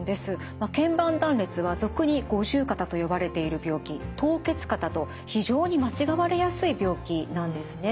まあけん板断裂は俗に五十肩と呼ばれている病気凍結肩と非常に間違われやすい病気なんですね。